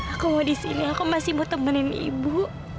aku mau disini aku masih mau temenin ibu